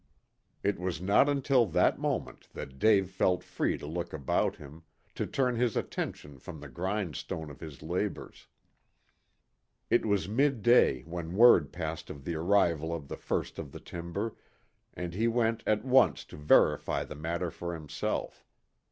It was not until that moment that Dave felt free to look about him, to turn his attention from the grindstone of his labors. It was midday when word passed of the arrival of the first of the timber, and he went at once to verify the matter for himself.